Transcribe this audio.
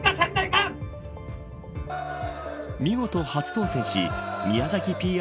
見事、初当選し宮崎ＰＲ